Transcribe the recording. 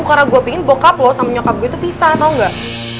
karena gua pengen bokap lu sama nyokap gue itu pisah tau gak